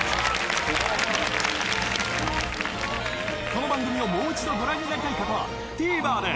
［この番組をもう一度ご覧になりたい方はＴＶｅｒで］